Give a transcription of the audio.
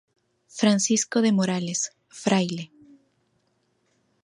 Francisco de Morales, Fr.